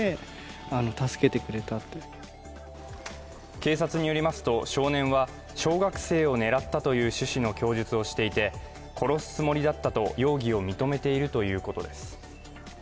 警察によりますと、少年は小学生を狙ったという趣旨の供述をしていて供述をしていて、殺すつもりだったと容疑を認めているということです。